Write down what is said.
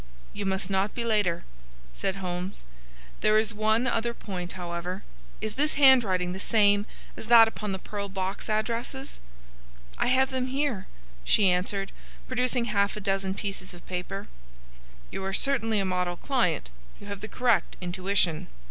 "You must not be later," said Holmes. "There is one other point, however. Is this handwriting the same as that upon the pearl box addresses?" "I have them here," she answered, producing half a dozen pieces of paper. "You are certainly a model client. You have the correct intuition.